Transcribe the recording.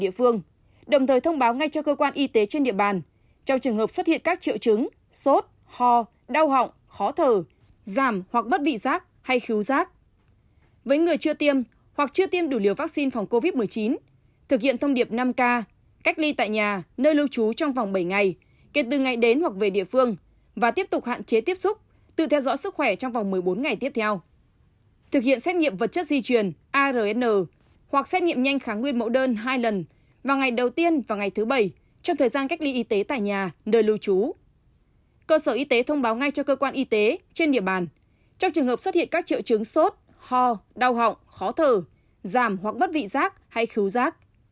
cơ sở y tế thông báo ngay cho cơ quan y tế trên địa bàn trong trường hợp xuất hiện các triệu chứng sốt ho đau họng khó thở giảm hoặc bất vị giác hay khứu giác